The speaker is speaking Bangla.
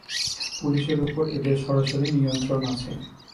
পুলিশের উপর এদের সরাসরি নিয়ন্ত্রণ আছে।